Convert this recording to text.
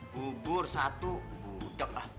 bubur satu budak lah